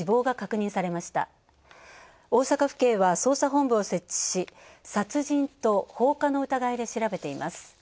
大阪府警は捜査本部を設置し、殺人と放火の疑いで調べています。